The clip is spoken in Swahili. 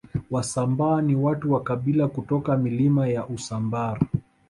Wasambaa ni watu wa kabila kutoka Milima ya Usambara